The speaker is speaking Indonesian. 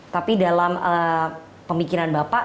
tapi dalam pemikiran bapak